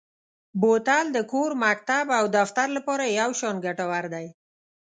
بوتل د کور، مکتب او دفتر لپاره یو شان ګټور دی.